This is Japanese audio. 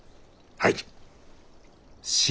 はい。